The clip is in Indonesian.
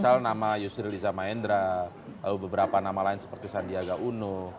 tidak ada nama yusril iza maendra lalu beberapa nama lain seperti sandiaga uno